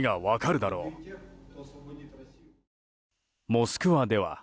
モスクワでは。